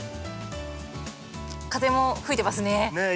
風も吹いてますね。